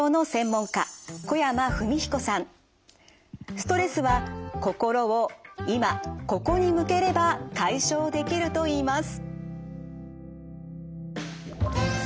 ストレスは心を今・ここに向ければ解消できるといいます。